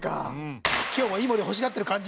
今日も井森欲しがってる感じ？